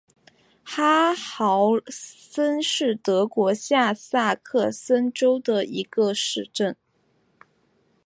哈豪森是德国下萨克森州的一个市镇。